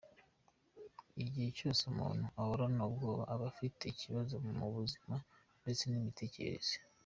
Igihe cyose umuntu ahorana ubwoba aba afite ikibazo mu buzima ndetse n’imitekerereze.